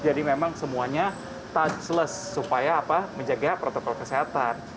jadi memang semuanya touchless supaya menjaga protokol kesehatan